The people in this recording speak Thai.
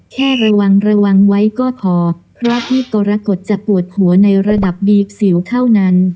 แค่ระวังระวังไว้ก็พอเพราะพี่กรกฎจะปวดหัวในระดับบีซิลเท่านั้น